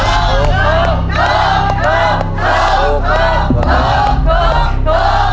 ถูกถูกถูกถูก